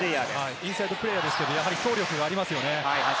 インサイドプレーヤーですけど走力もありますよね。